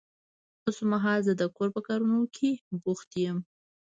اوس مهال زه د کور په کارونه کې بوخت يم.